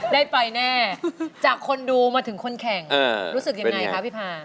ได้ไปแน่จากคนดูมาถึงคนแข่งรู้สึกยังไงคะพี่พา